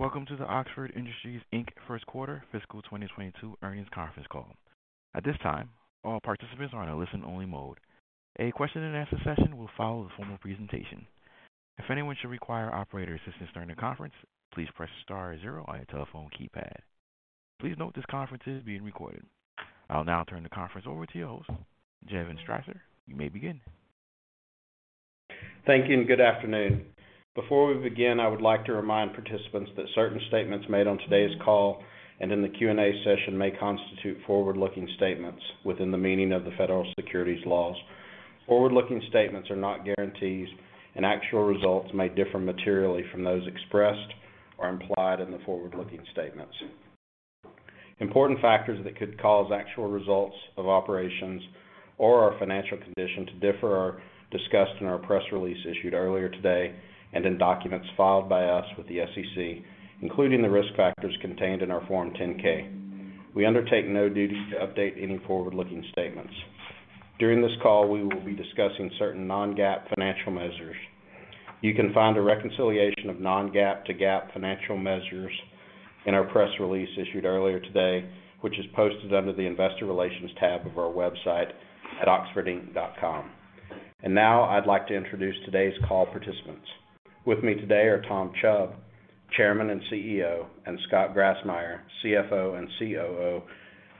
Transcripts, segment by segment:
Welcome to the Oxford Industries, Inc. Q1 fiscal 2022 earnings conference call. At this time, all participants are in a listen-only mode. A question-and-answer session will follow the formal presentation. If anyone should require operator assistance during the conference, please press star zero on your telephone keypad. Please note this conference is being recorded. I'll now turn the conference over to your host, Jevon Strasser. You may begin. Thank you and good afternoon. Before we begin, I would like to remind participants that certain statements made on today's call and in the Q&A session may constitute forward-looking statements within the meaning of the federal securities laws. Forward-looking statements are not guarantees, and actual results may differ materially from those expressed or implied in the forward-looking statements. Important factors that could cause actual results of operations or our financial condition to differ are discussed in our press release issued earlier today and in documents filed by us with the SEC, including the risk factors contained in our Form 10-K. We undertake no duty to update any forward-looking statements. During this call, we will be discussing certain non-GAAP financial measures. You can find a reconciliation of non-GAAP to GAAP financial measures in our press release issued earlier today, which is posted under the Investor Relations tab of our website at oxfordinc.com. Now I'd like to introduce today's call participants. With me today are Tom Chubb, Chairman and CEO, and Scott Grassmyer, CFO and COO.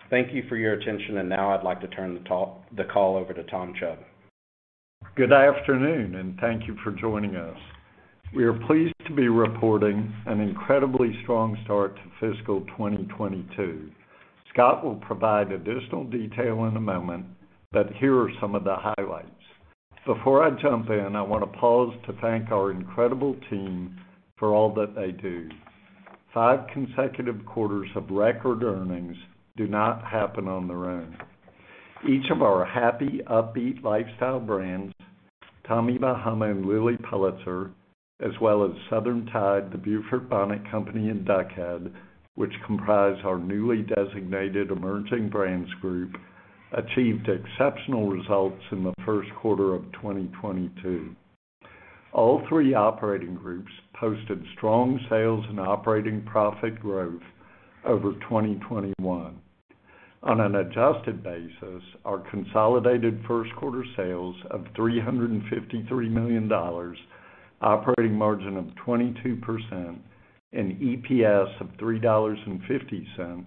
Thank you for your attention. Now I'd like to turn the call over to Tom Chubb. Good afternoon, and thank you for joining us. We are pleased to be reporting an incredibly strong start to fiscal 2022. Scott will provide additional detail in a moment, but here are some of the highlights. Before I jump in, I wanna pause to thank our incredible team for all that they do. Five consecutive quarters of record earnings do not happen on their own. Each of our happy, upbeat lifestyle brands, Tommy Bahama and Lilly Pulitzer, as well as Southern Tide, The Beaufort Bonnet Company, and Duck Head, which comprise our newly designated emerging brands group, achieved exceptional results in the Q1 of 2022. All three operating groups posted strong sales and operating profit growth over 2021. On an adjusted basis, our consolidated Q1 sales of $353 million, operating margin of 22%, and EPS of $3.50,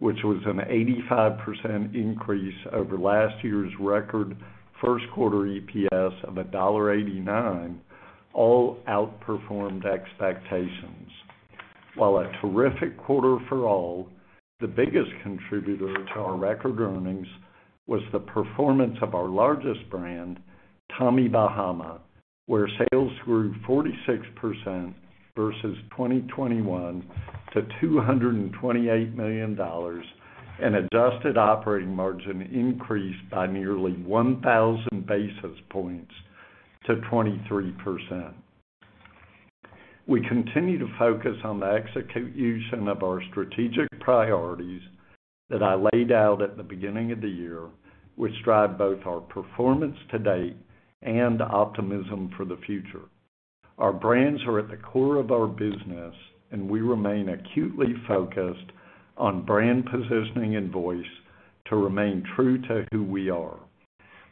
which was an 85% increase over last year's record Q1 EPS of $1.89, all outperformed expectations. While a terrific quarter for all, the biggest contributor to our record earnings was the performance of our largest brand, Tommy Bahama, where sales grew 46% versus 2021 to $228 million, and adjusted operating margin increased by nearly 1,000 basis points to 23%. We continue to focus on the execution of our strategic priorities that I laid out at the beginning of the year, which drive both our performance to date and optimism for the future. Our brands are at the core of our business, and we remain acutely focused on brand positioning and voice to remain true to who we are.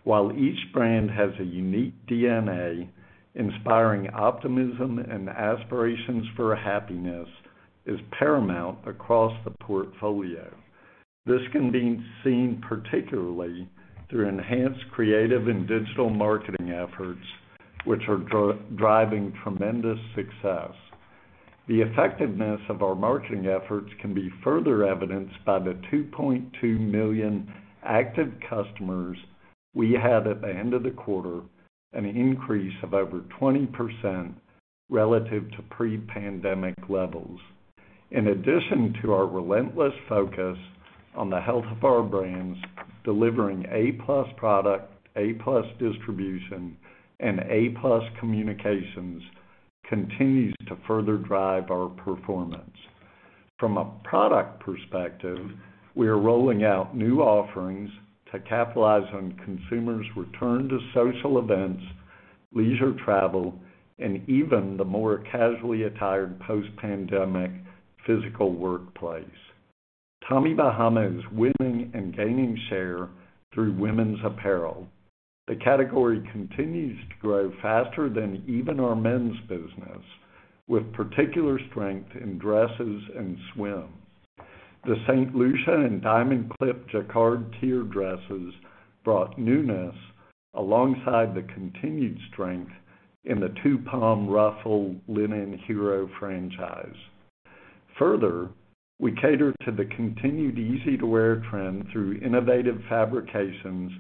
While each brand has a unique DNA, inspiring optimism and aspirations for happiness is paramount across the portfolio. This can be seen particularly through enhanced creative and digital marketing efforts, which are driving tremendous success. The effectiveness of our marketing efforts can be further evidenced by the 2.2 million active customers we had at the end of the quarter, an increase of over 20% relative to pre-pandemic levels. In addition to our relentless focus on the health of our brands, delivering A-plus product, A-plus distribution, and A-plus communications continues to further drive our performance. From a product perspective, we are rolling out new offerings to capitalize on consumers' return to social events, leisure travel, and even the more casually attired post-pandemic physical workplace. Tommy Bahama is winning and gaining share through women's apparel. The category continues to grow faster than even our men's business, with particular strength in dresses and swim. The St. Lucia and Diamond Clip jacquard tier dresses brought newness alongside the continued strength in the Two-Palm Ruffle Linen hero franchise. Further, we cater to the continued easy-to-wear trend through innovative fabrications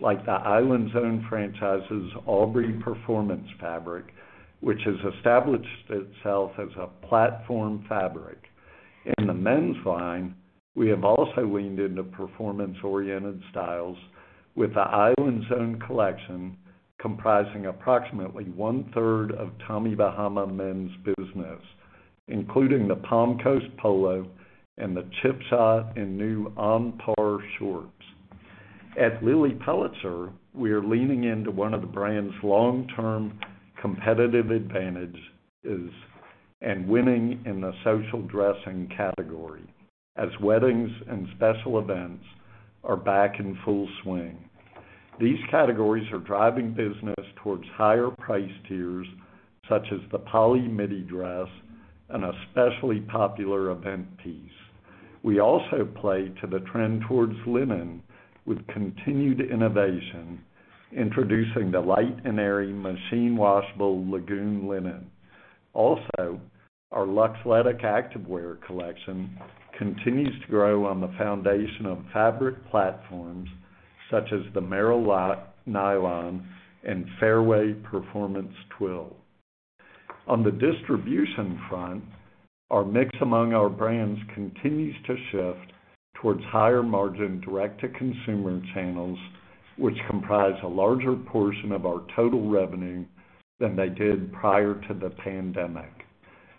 like the IslandZone franchise's Aubrey performance fabric, which has established itself as a platform fabric. In the men's line, we have also leaned into performance-oriented styles with the IslandZone collection comprising approximately 1/3 of Tommy Bahama men's business, including the Palm Coast Polo and the Chip Shot and new On Par shorts. At Lilly Pulitzer, we are leaning into one of the brand's long-term competitive advantages and winning in the social dressing category as weddings and special events are back in full swing. These categories are driving business towards higher price tiers, such as the Polly midi dress, an especially popular event piece. We also play to the trend towards linen with continued innovation, introducing the light and airy machine washable Lagoon Linen. Also, our luxe athletic activewear collection continues to grow on the foundation of fabric platforms such as the Meryl Nylon and Fairway Performance Twill. On the distribution front, our mix among our brands continues to shift towards higher margin direct-to-consumer channels, which comprise a larger portion of our total revenue than they did prior to the pandemic.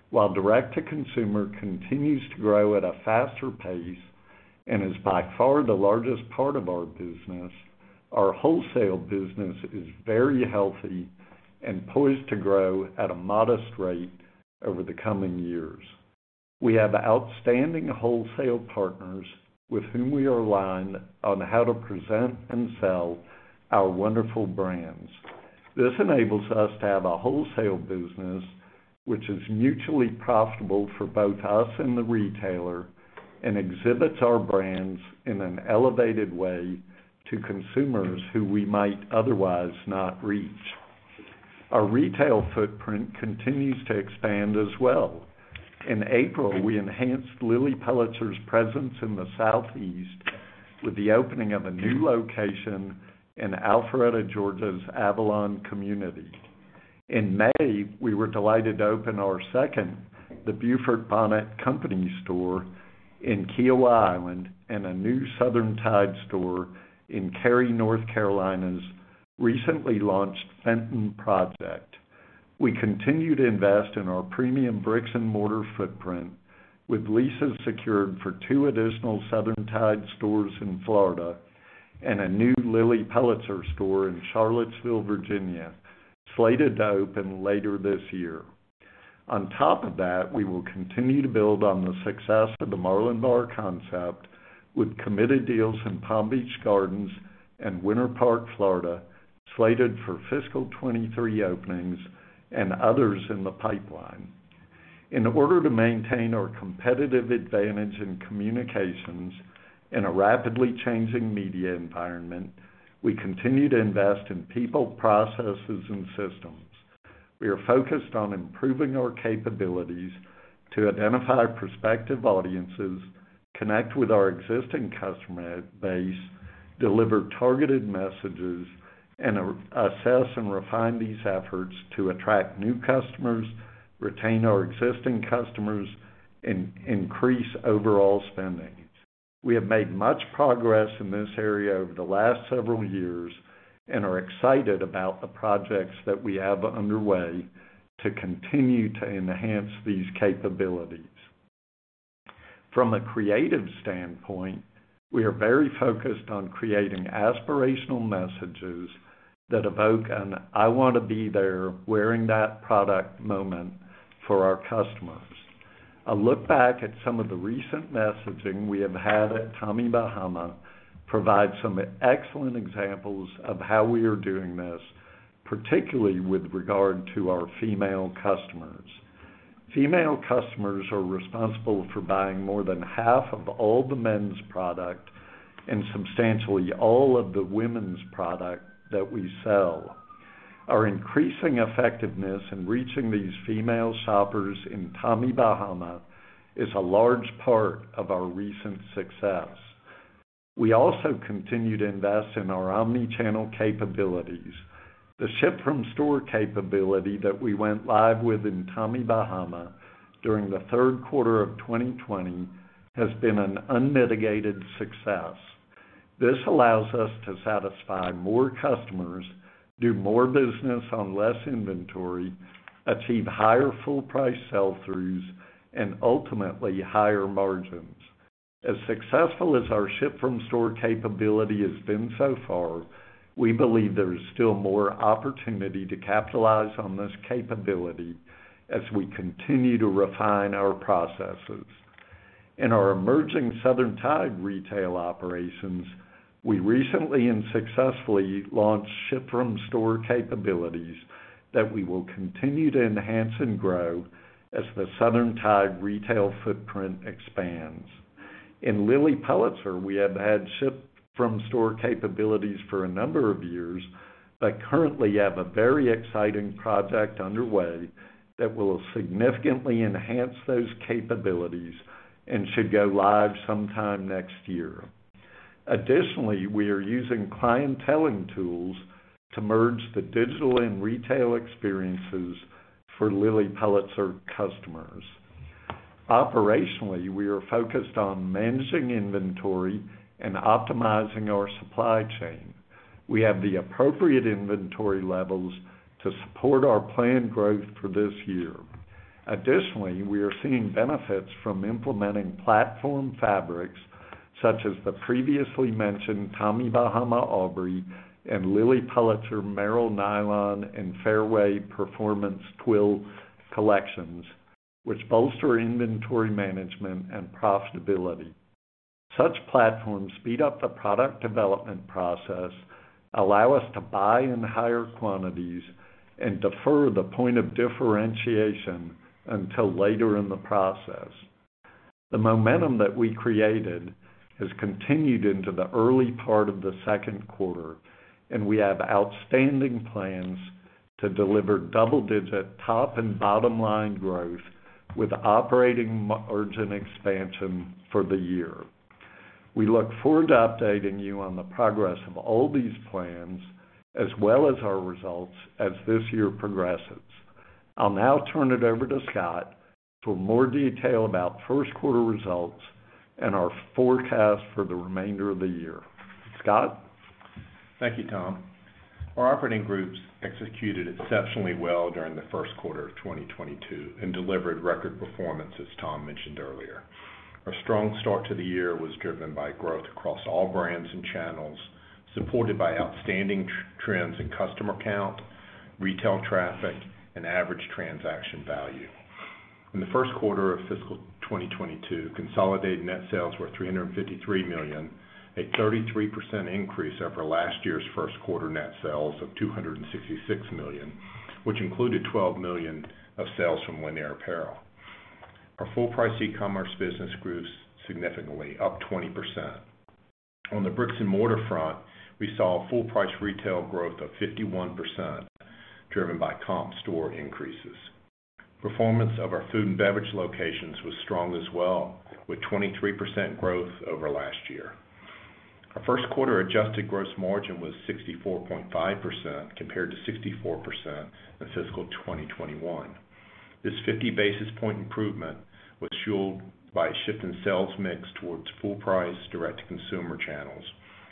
While direct-to-consumer continues to grow at a faster pace and is by far the largest part of our business, our wholesale business is very healthy and poised to grow at a modest rate over the coming years. We have outstanding wholesale partners with whom we align on how to present and sell our wonderful brands. This enables us to have a wholesale business which is mutually profitable for both us and the retailer and exhibits our brands in an elevated way to consumers who we might otherwise not reach. Our retail footprint continues to expand as well. In April, we enhanced Lilly Pulitzer's presence in the Southeast with the opening of a new location in Alpharetta, Georgia's Avalon community. In May, we were delighted to open our second, The Beaufort Bonnet Company store in Kiawah Island and a new Southern Tide store in Cary, North Carolina's recently launched Fenton project. We continue to invest in our premium bricks and mortar footprint with leases secured for two additional Southern Tide stores in Florida and a new Lilly Pulitzer store in Charlottesville, Virginia, slated to open later this year. On top of that, we will continue to build on the success of the Marlin Bar concept with committed deals in Palm Beach Gardens and Winter Park, Florida, slated for fiscal 2023 openings and others in the pipeline. In order to maintain our competitive advantage in communications in a rapidly changing media environment, we continue to invest in people, processes, and systems. We are focused on improving our capabilities to identify prospective audiences, connect with our existing customer base, deliver targeted messages, and assess and refine these efforts to attract new customers, retain our existing customers, and increase overall spending. We have made much progress in this area over the last several years and are excited about the projects that we have underway to continue to enhance these capabilities. From a creative standpoint, we are very focused on creating aspirational messages that evoke an, "I want to be there wearing that product" moment for our customers. A look back at some of the recent messaging we have had at Tommy Bahama provides some excellent examples of how we are doing this, particularly with regard to our female customers. Female customers are responsible for buying more than half of all the men's product and substantially all of the women's product that we sell. Our increasing effectiveness in reaching these female shoppers in Tommy Bahama is a large part of our recent success. We also continue to invest in our omni-channel capabilities. The ship from store capability that we went live with in Tommy Bahama during the Q3 of 2020 has been an unmitigated success. This allows us to satisfy more customers, do more business on less inventory, achieve higher full price sell-throughs, and ultimately, higher margins. As successful as our ship from store capability has been so far, we believe there is still more opportunity to capitalize on this capability as we continue to refine our processes. In our emerging Southern Tide retail operations, we recently and successfully launched ship from store capabilities that we will continue to enhance and grow as the Southern Tide retail footprint expands. In Lilly Pulitzer, we have had ship from store capabilities for a number of years, but currently have a very exciting project underway that will significantly enhance those capabilities and should go live sometime next year. Additionally, we are using clienteling tools to merge the digital and retail experiences for Lilly Pulitzer customers. Operationally, we are focused on managing inventory and optimizing our supply chain. We have the appropriate inventory levels to support our planned growth for this year. Additionally, we are seeing benefits from implementing platform fabrics such as the previously mentioned Tommy Bahama Aubrey and Lilly Pulitzer Meryl Nylon and Fairway Performance Twill collections, which bolster inventory management and profitability. Such platforms speed up the product development process, allow us to buy in higher quantities, and defer the point of differentiation until later in the process. The momentum that we created has continued into the early part of the Q2, and we have outstanding plans to deliver double-digit top and bottom-line growth with operating margin expansion for the year. We look forward to updating you on the progress of all these plans, as well as our results as this year progresses. I'll now turn it over to Scott for more detail about Q1 results and our forecast for the remainder of the year. Scott? Thank you, Tom. Our operating groups executed exceptionally well during the Q1 of 2022 and delivered record performance, as Tom mentioned earlier. Our strong start to the year was driven by growth across all brands and channels, supported by outstanding trends in customer count, retail traffic, and average transaction value. In the Q1 of fiscal 2022, consolidated net sales were $353 million, a 33% increase over last year's Q1 net sales of $266 million, which included $12 million of sales from Lanier Apparel. Our full-price e-commerce business grew significantly, up 20%. On the bricks-and-mortar front, we saw a full price retail growth of 51% driven by comp store increases. Performance of our food and beverage locations was strong as well, with 23% growth over last year. Our Q1 adjusted gross margin was 64.5% compared to 64% in fiscal 2021. This 50 basis points improvement was fueled by a shift in sales mix towards full price direct-to-consumer channels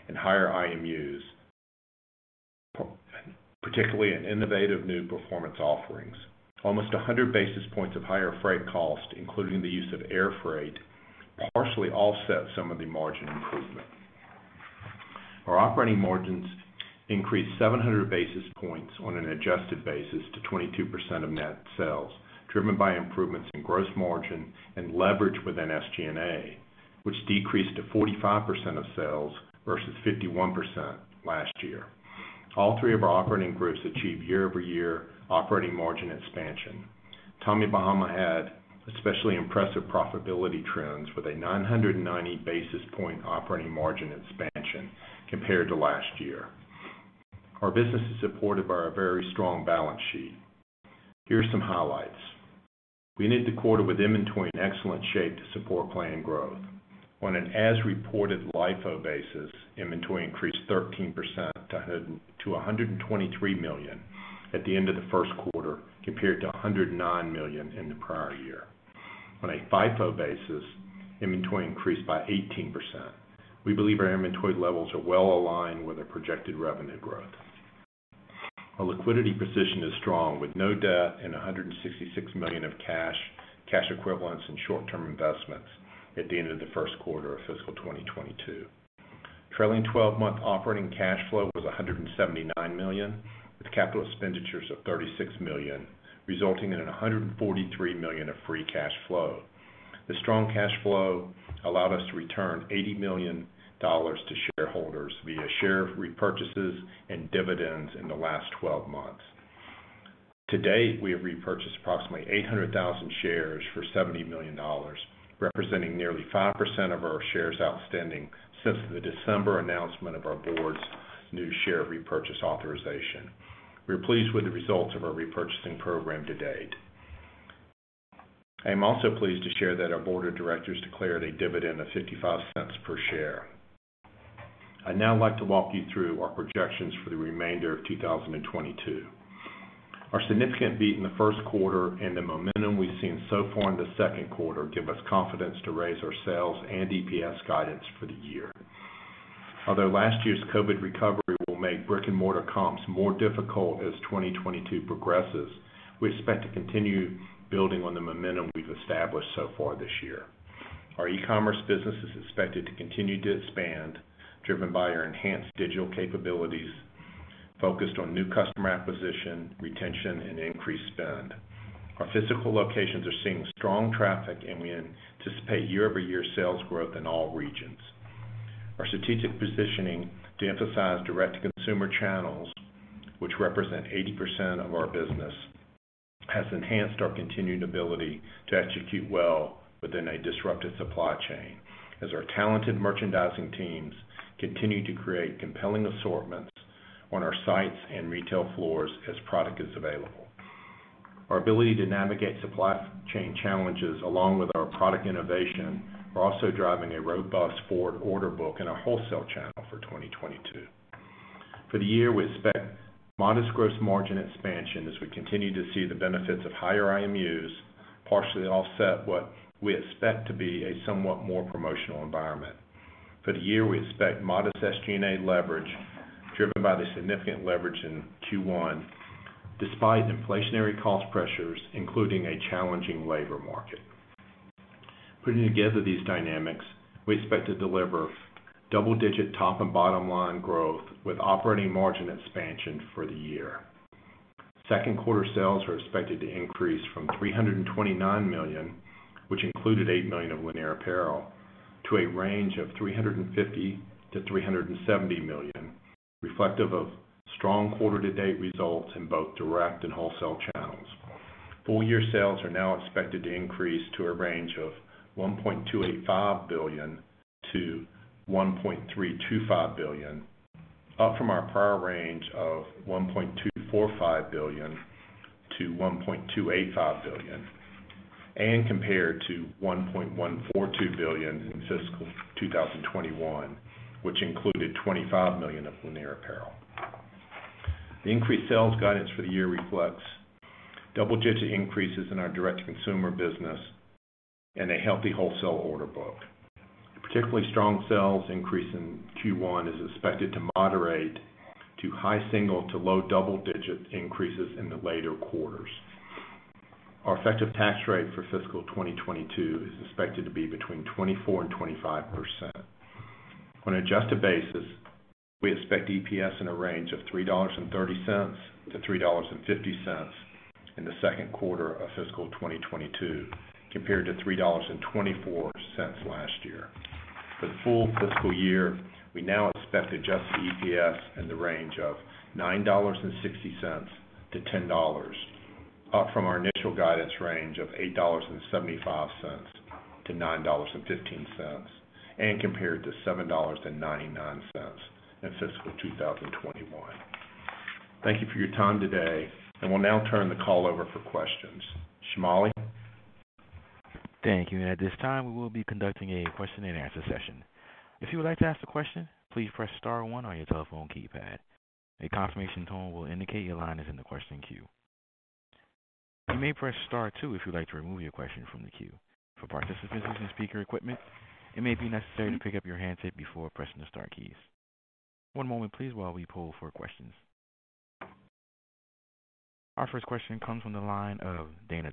and higher IMU, particularly in innovative new performance offerings. Almost 100 basis points of higher freight cost, including the use of air freight, partially offset some of the margin improvement. Our operating margins increased 700 basis points on an adjusted basis to 22% of net sales, driven by improvements in gross margin and leverage within SG&A, which decreased to 45% of sales versus 51% last year. All three of our operating groups achieved year-over-year operating margin expansion. Tommy Bahama had especially impressive profitability trends with a 990 basis points operating margin expansion compared to last year. Our business is supported by a very strong balance sheet. Here are some highlights. We ended the quarter with inventory in excellent shape to support planned growth. On an as-reported LIFO basis, inventory increased 13% to $123 million at the end of the Q1, compared to $109 million in the prior year. On a FIFO basis, inventory increased by 18%. We believe our inventory levels are well aligned with our projected revenue growth. Our liquidity position is strong, with no debt and $166 million of cash equivalents, and short-term investments at the end of the Q1 of fiscal 2022. Trailing twelve-month operating cash flow was $179 million, with capital expenditures of $36 million, resulting in $143 million of free cash flow. The strong cash flow allowed us to return $80 million to shareholders via share repurchases and dividends in the last 12 months. To date, we have repurchased approximately 800,000 shares for $70 million, representing nearly 5% of our shares outstanding since the December announcement of our board's new share repurchase authorization. We're pleased with the results of our repurchasing program to date. I am also pleased to share that our board of directors declared a dividend of $0.55 per share. I'd now like to walk you through our projections for the remainder of 2022. Our significant beat in the Q1 and the momentum we've seen so far in the Q2 give us confidence to raise our sales and EPS guidance for the year. Although last year's COVID recovery will make brick-and-mortar comps more difficult as 2022 progresses, we expect to continue building on the momentum we've established so far this year. Our e-commerce business is expected to continue to expand, driven by our enhanced digital capabilities focused on new customer acquisition, retention, and increased spend. Our physical locations are seeing strong traffic, and we anticipate year-over-year sales growth in all regions. Our strategic positioning to emphasize direct-to-consumer channels, which represent 80% of our business, has enhanced our continued ability to execute well within a disrupted supply chain as our talented merchandising teams continue to create compelling assortments on our sites and retail floors as product is available. Our ability to navigate supply chain challenges, along with our product innovation, are also driving a robust forward order book in our wholesale channel for 2022. For the year, we expect modest gross margin expansion as we continue to see the benefits of higher IMU partially offset what we expect to be a somewhat more promotional environment. For the year, we expect modest SG&A leverage driven by the significant leverage in Q1 despite inflationary cost pressures, including a challenging labor market. Putting together these dynamics, we expect to deliver double-digit top and bottom line growth with operating margin expansion for the year. Q2 sales are expected to increase from $329 million, which included $8 million of Lanier Apparel, to a range of $350-$370 million, reflective of strong quarter-to-date results in both direct and wholesale channels. Full year sales are now expected to increase to a range of $1.285 billion-$1.325 billion, up from our prior range of $1.245 billion-$1.285 billion, and compared to $1.142 billion in fiscal 2021, which included $25 million of Lanier Apparel. The increased sales guidance for the year reflects double-digit increases in our direct-to-consumer business and a healthy wholesale order book. Particularly strong sales increase in Q1 is expected to moderate to high single to low double-digit increases in the later quarters. Our effective tax rate for fiscal 2022 is expected to be between 24%-25%. On an adjusted basis, we expect EPS in a range of $3.30-$3.50 in the Q2 of fiscal 2022, compared to $3.24 last year. For the full FY, we now expect adjusted EPS in the range of $9.60-$10, up from our initial guidance range of $8.75-$9.15, and compared to $7.99 in fiscal 2021. Thank you for your time today, and we'll now turn the call over for questions. Shamali? Thank you. At this time, we will be conducting a question-and-answer session. If you would like to ask a question, please press star one on your telephone keypad. A confirmation tone will indicate your line is in the question queue. You may press star two if you'd like to remove your question from the queue. For participants using speaker equipment, it may be necessary to pick up your handset before pressing the star keys. One moment, please, while we pull for questions. Our first question comes from the line of Dana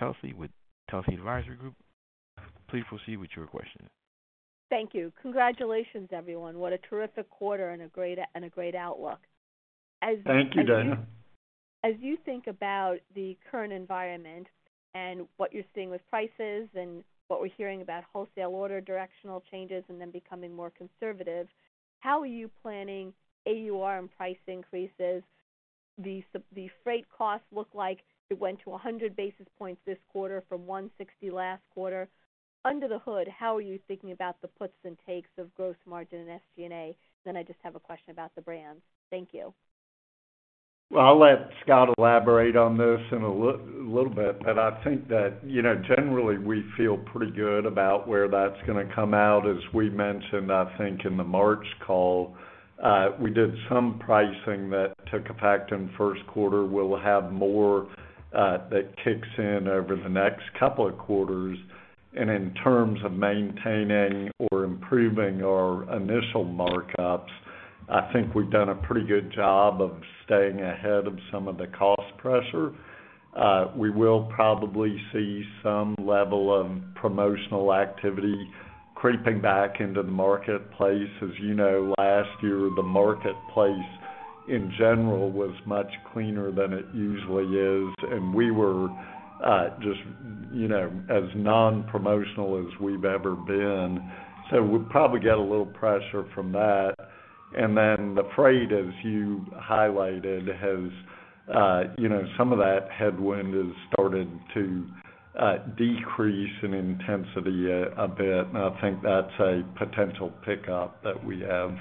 Telsey with Telsey Advisory Group. Please proceed with your question. Thank you. Congratulations, everyone. What a terrific quarter and a great outlook. Thank you, Dana. As you think about the current environment and what you're seeing with prices and what we're hearing about wholesale order directional changes and then becoming more conservative, how are you planning AUR and price increases? The freight costs look like it went to 100 basis points this quarter from 160 last quarter. Under the hood, how are you thinking about the puts and takes of gross margin and SG&A? I just have a question about the brand. Thank you. Well, I'll let Scott elaborate on this in a little bit, but I think that, you know, generally, we feel pretty good about where that's gonna come out. As we mentioned, I think in the March call, we did some pricing that took effect in Q1. We'll have more that kicks in over the next couple of quarters. In terms of maintaining or improving our initial markups, I think we've done a pretty good job of staying ahead of some of the cost pressure. We will probably see some level of promotional activity creeping back into the marketplace. As you know, last year, the marketplace, in general, was much cleaner than it usually is, and we were just, you know, as non-promotional as we've ever been. We'll probably get a little pressure from that. Then the freight, as you highlighted, has, you know, some of that headwind has started to decrease in intensity a bit, and I think that's a potential pickup that we have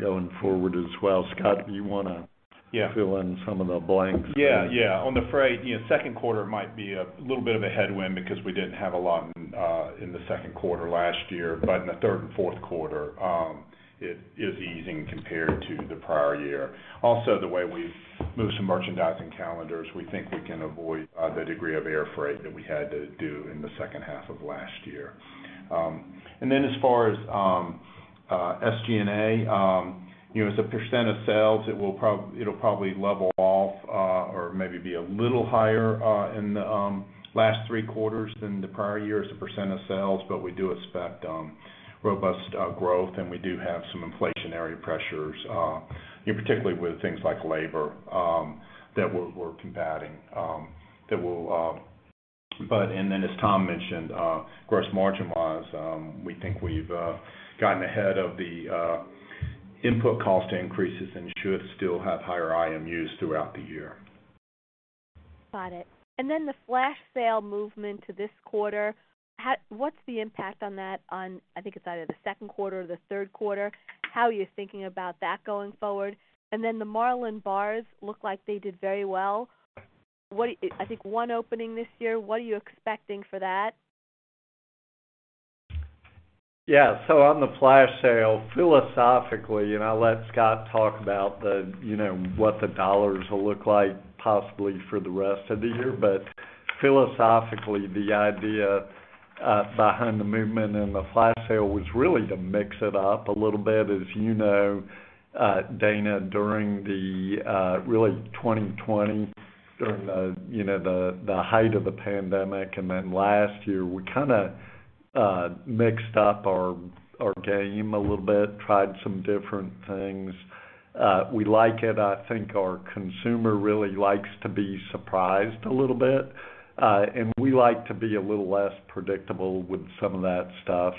going forward as well. Scott, do you wanna- Yeah. Fill in some of the blanks there? Yeah, yeah. On the freight, you know, Q2 might be a little bit of a headwind because we didn't have a lot in the Q2 last year. In the third and Q4, it is easing compared to the prior year. Also, the way we've moved some merchandising calendars, we think we can avoid the degree of air freight that we had to do in the H2 of last year. As far as SG&A, you know, as a percent of sales, it'll probably level off or maybe be a little higher in the last three quarters than the prior year as a percent of sales. We do expect robust growth, and we do have some inflationary pressures, you know, particularly with things like labor that we're combating. As Tom mentioned, gross margin-wise, we think we've gotten ahead of the input cost increases and should still have higher IMU throughout the year. Got it. Then the flash sale movement to this quarter, what's the impact on that? I think it's either the Q2 or the Q3. How are you thinking about that going forward? The Marlin Bar look like they did very well. What? I think one opening this year. What are you expecting for that? Yeah. On the flash sale, philosophically, and I'll let Scott talk about the, you know, what the dollars will look like possibly for the rest of the year. Philosophically, the idea behind the movement in the flash sale was really to mix it up a little bit. As you know, Dana, during 2020, during the height of the pandemic, and then last year, we kinda mixed up our game a little bit. Tried some different things. We like it. I think our consumer really likes to be surprised a little bit, and we like to be a little less predictable with some of that stuff.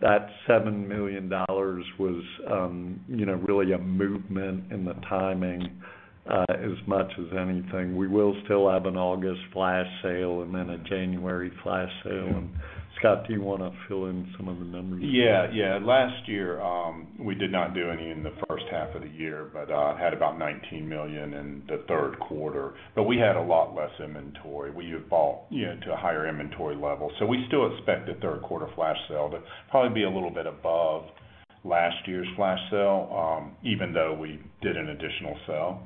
That $7 million was, you know, really a movement in the timing, as much as anything. We will still have an August flash sale and then a January flash sale. Scott, do you wanna fill in some of the numbers? Last year, we did not do any in the H1 of the year, but had about $19 million in the Q3. We had a lot less inventory. We have bought to a higher inventory level. We still expect a Q3 flash sale to probably be a little bit above last year's flash sale, even though we did an additional sale.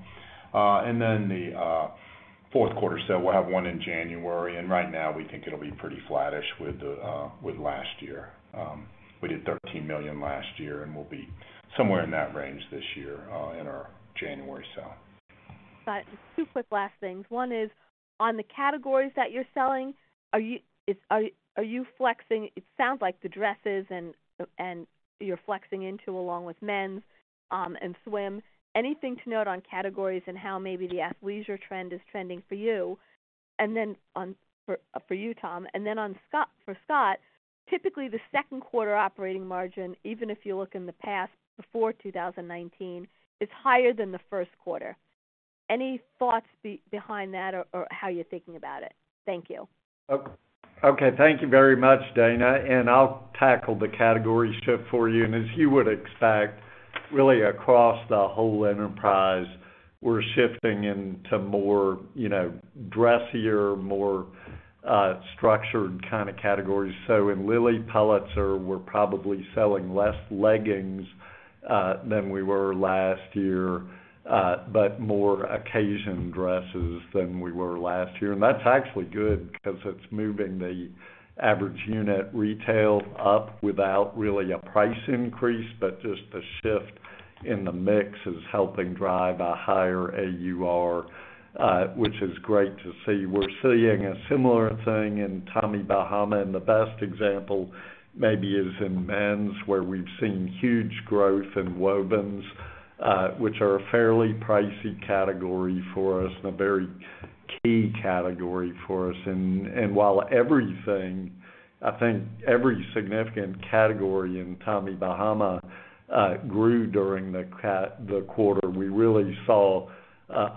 The Q4 sale, we'll have one in January, and right now we think it'll be pretty flattish with last year. We did $13 million last year, and we'll be somewhere in that range this year, in our January sale. Scott, two quick last things. One is, on the categories that you're selling, are you flexing? It sounds like the dresses and you're flexing into along with men's and swim. Anything to note on categories and how maybe the athleisure trend is trending for you? For you, Tom. For Scott, typically, the Q2 operating margin, even if you look in the past before 2019, is higher than the Q1. Any thoughts behind that or how you're thinking about it? Thank you. Okay. Thank you very much, Dana, and I'll tackle the categories shift for you. As you would expect, really across the whole enterprise, we're shifting into more, you know, dressier, more, structured kinda categories. In Lilly Pulitzer, we're probably selling less leggings than we were last year, but more occasion dresses than we were last year. That's actually good because it's moving the average unit retail up without really a price increase, but just a shift in the mix is helping drive a higher AUR, which is great to see. We're seeing a similar thing in Tommy Bahama, and the best example maybe is in men's, where we've seen huge growth in wovens, which are a fairly pricey category for us and a very key category for us. While everything, I think every significant category in Tommy Bahama grew during the quarter, we really saw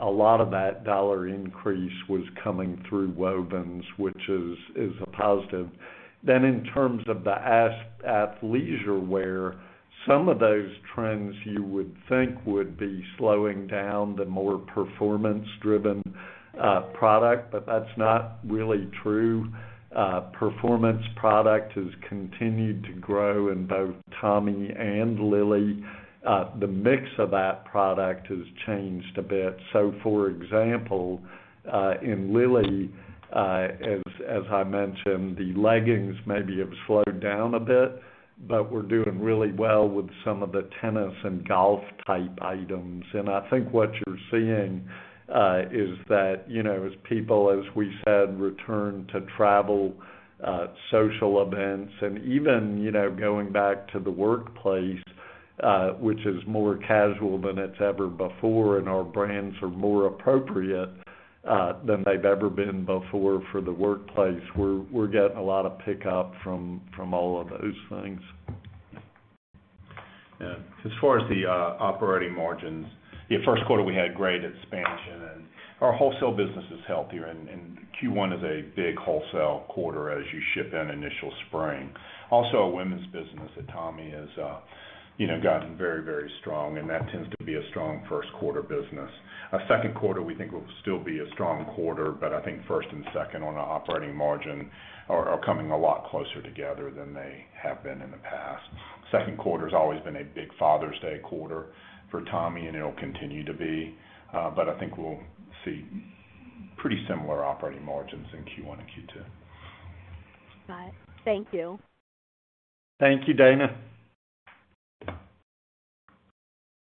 a lot of that dollar increase was coming through wovens, which is a positive. In terms of the athleisure wear, some of those trends you would think would be slowing down the more performance-driven product, but that's not really true. Performance product has continued to grow in both Tommy and Lilly. The mix of that product has changed a bit. For example, in Lilly, as I mentioned, the leggings maybe have slowed down a bit, but we're doing really well with some of the tennis and golf type items. I think what you're seeing is that, you know, as people, as we said, return to travel, social events and even, you know, going back to the workplace, which is more casual than it's ever before, and our brands are more appropriate than they've ever been before for the workplace. We're getting a lot of pickup from all of those things. Yeah. As far as the operating margins, yeah, Q1 we had great expansion, and our wholesale business is healthier and Q1 is a big wholesale quarter as you ship in initial spring. Also, our women's business at Tommy has you know, gotten very, very strong, and that tends to be a strong Q1 business. Q2 we think will still be a strong quarter, but I think first and second on an operating margin are coming a lot closer together than they have been in the past. Q2 always been a big Father's Day quarter for Tommy, and it'll continue to be, but I think we'll see pretty similar operating margins in Q1 and Q2. Got it. Thank you. Thank you, Dana.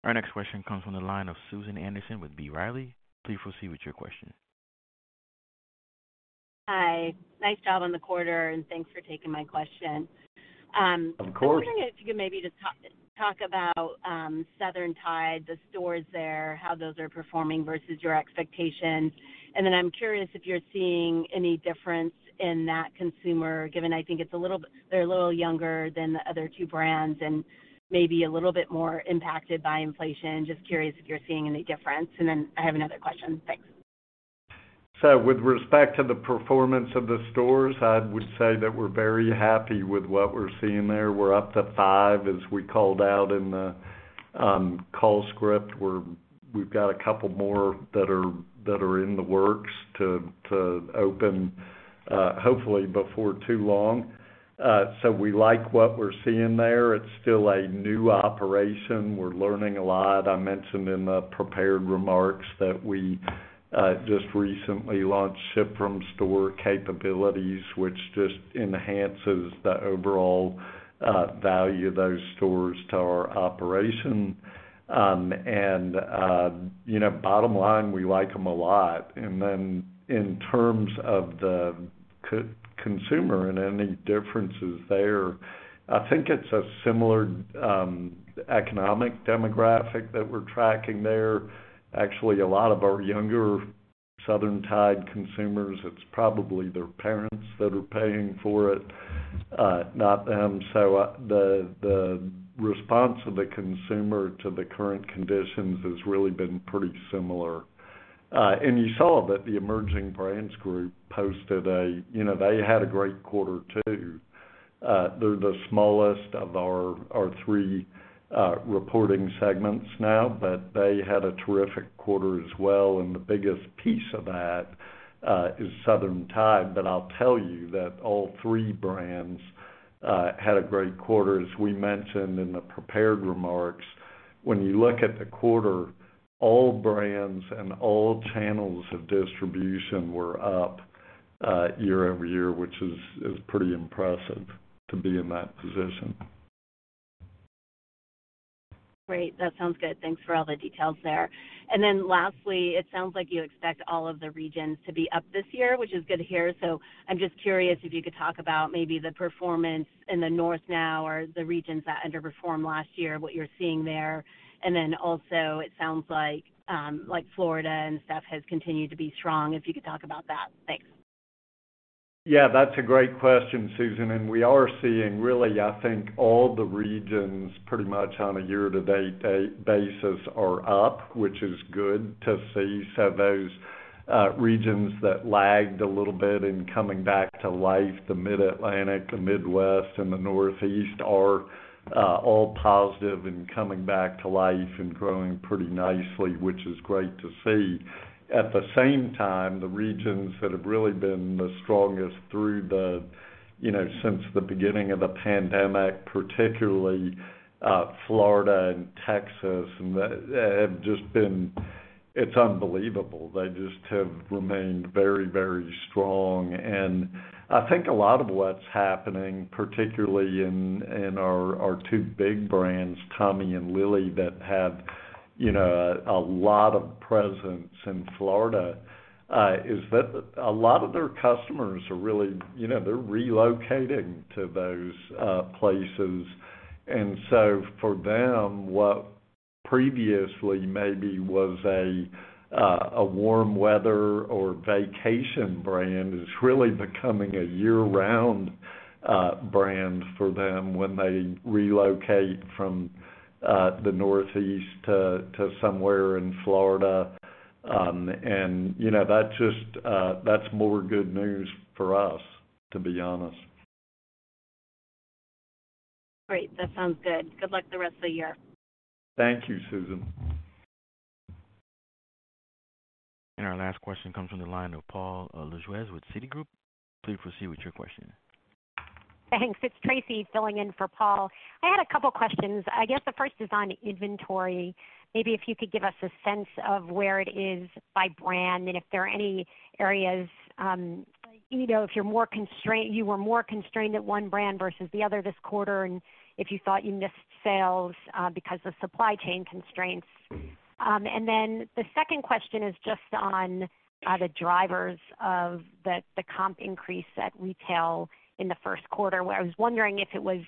Our next question comes from the line of Susan Anderson with B. Riley. Please proceed with your question. Hi. Nice job on the quarter, and thanks for taking my question. Of course. I'm wondering if you could maybe just talk about Southern Tide, the stores there, how those are performing versus your expectations. I'm curious if you're seeing any difference in that consumer, given I think it's a little bit, they're a little younger than the other two brands and maybe a little bit more impacted by inflation. Just curious if you're seeing any difference. I have another question. Thanks. With respect to the performance of the stores, I would say that we're very happy with what we're seeing there. We're up to five, as we called out in the call script. We've got a couple more that are in the works to open, hopefully before too long. We like what we're seeing there. It's still a new operation. We're learning a lot. I mentioned in the prepared remarks that we just recently launched ship from store capabilities, which just enhances the overall value of those stores to our operation. You know, bottom line, we like them a lot. In terms of the core consumer and any differences there, I think it's a similar economic demographic that we're tracking there. Actually, a lot of our younger Southern Tide consumers, it's probably their parents that are paying for it, not them. The response of the consumer to the current conditions has really been pretty similar. You know, they had a great quarter too. They're the smallest of our three reporting segments now, but they had a terrific quarter as well, and the biggest piece of that is Southern Tide. I'll tell you that all three brands had a great quarter. As we mentioned in the prepared remarks, when you look at the quarter, all brands and all channels of distribution were up year-over-year, which is pretty impressive to be in that position. Great. That sounds good. Thanks for all the details there. Lastly, it sounds like you expect all of the regions to be up this year, which is good to hear. I'm just curious if you could talk about maybe the performance in the North now or the regions that underperformed last year, what you're seeing there. Also, it sounds like Florida and stuff has continued to be strong. If you could talk about that. Thanks. Yeah, that's a great question, Susan, and we are seeing really, I think all the regions pretty much on a year-to-date basis are up, which is good to see. Those regions that lagged a little bit and coming back to life, the Mid-Atlantic, the Midwest and the Northeast are all positive and coming back to life and growing pretty nicely, which is great to see. At the same time, the regions that have really been the strongest through the, you know, since the beginning of the pandemic, particularly Florida and Texas have just been. It's unbelievable. They just have remained very, very strong. I think a lot of what's happening, particularly in our two big brands, Tommy and Lilly, that have, you know, a lot of presence in Florida, is that a lot of their customers are really, you know, they're relocating to those places. For them, what previously maybe was a warm weather or vacation brand is really becoming a year-round brand for them when they relocate from the Northeast to somewhere in Florida. You know, that's just more good news for us, to be honest. Great. That sounds good. Good luck the rest of the year. Thank you, Susan. Our last question comes from the line of Paul Lejuez with Citigroup. Please proceed with your question. Thanks. It's Tracy filling in for Paul. I had a couple questions. I guess the first is on inventory. Maybe if you could give us a sense of where it is by brand and if there are any areas, you know, if you're more constrained, you were more constrained at one brand versus the other this quarter, and if you thought you missed sales because of supply chain constraints. The second question is just on the drivers of the comp increase at retail in the Q1. I was wondering if it was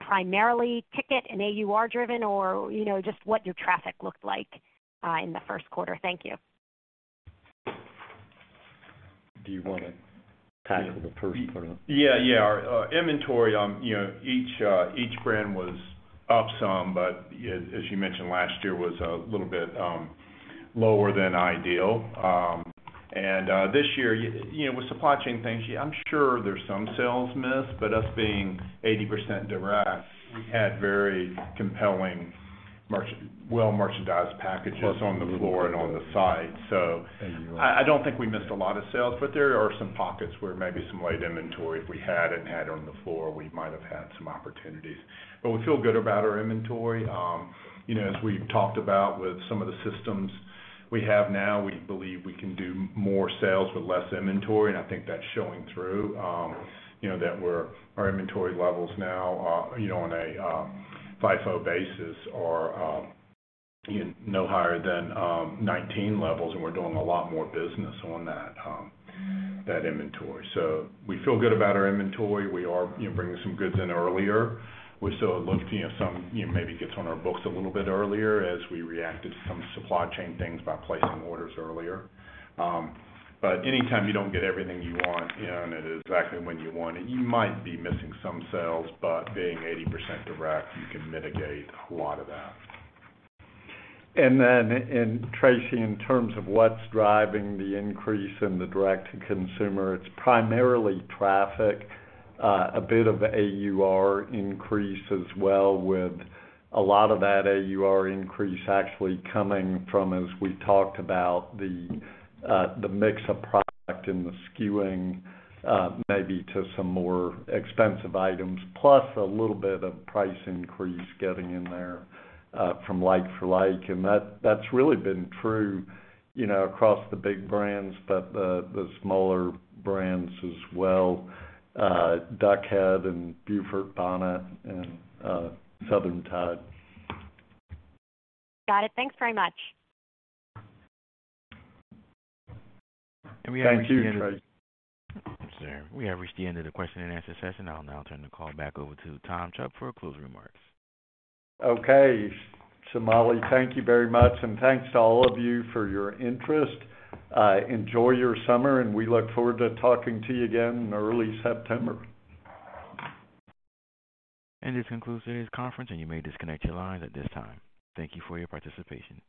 primarily ticket and AUR driven or, you know, just what your traffic looked like in the Q1. Thank you. Do you wanna tackle the first part? Yeah. Our inventory, you know, each brand was up some, but as you mentioned, last year was a little bit lower than ideal. This year, you know, with supply chain things, I'm sure there's some sales missed, but us being 80% direct, we had very compelling well-merchandised packages on the floor and on the site. I don't think we missed a lot of sales, but there are some pockets where maybe some light inventory if we had on the floor, we might have had some opportunities. We feel good about our inventory. You know, as we've talked about with some of the systems we have now, we believe we can do more sales with less inventory, and I think that's showing through, you know, our inventory levels now, you know, on a FIFO basis are no higher than 19 levels, and we're doing a lot more business on that inventory. We feel good about our inventory. We are, you know, bringing some goods in earlier. We still look, you know, some, you know, maybe goods on our books a little bit earlier as we reacted to some supply chain things by placing orders earlier. Anytime you don't get everything you want, you know, and it is exactly when you want it, you might be missing some sales, but being 80% direct, you can mitigate a lot of that. Tracy, in terms of what's driving the increase in the direct to consumer, it's primarily traffic. A bit of AUR increase as well with a lot of that AUR increase actually coming from, as we talked about, the mix of product and the skewing, maybe to some more expensive items, plus a little bit of price increase getting in there, from like-for-like. That, that's really been true, you know, across the big brands, but the smaller brands as well, Duck Head and Beaufort Bonnet and Southern Tide. Got it. Thanks very much. Thank you, Tracy. We have reached the end of the question and answer session. I'll now turn the call back over to Tom Chubb for closing remarks. Okay. Shamali, thank you very much, and thanks to all of you for your interest. Enjoy your summer, and we look forward to talking to you again in early September. This concludes today's conference, and you may disconnect your lines at this time. Thank you for your participation.